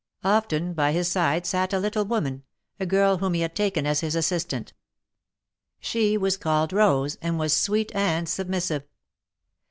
Often by his side sat a little woman — a girl whom he had taken as his assistant. She was called Eose, and was sweet and submissive.